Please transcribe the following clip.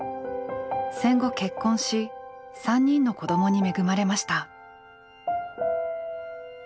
戦後結婚し３人の子供に恵まれました。